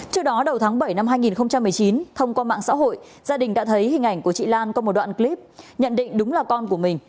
trước đó đầu tháng bảy năm hai nghìn một mươi chín thông qua mạng xã hội gia đình đã thấy hình ảnh của chị lan qua một đoạn clip nhận định đúng là con của mình